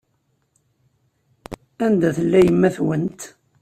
Anda tella yemma-twent?